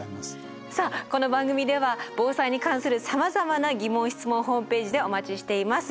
さあこの番組では防災に関するさまざまな疑問・質問をホームページでお待ちしています。